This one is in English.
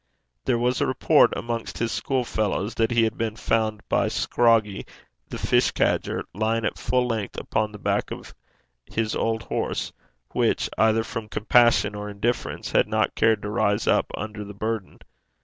There was a report amongst his school fellows that he had been found by Scroggie, the fish cadger, lying at full length upon the back of his old horse, which, either from compassion or indifference, had not cared to rise up under the burden.